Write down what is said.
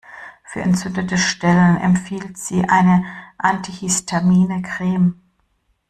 Für entzündete Stellen empfiehlt sie eine antihistamine Creme.